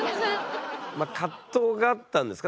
葛藤があったんですか？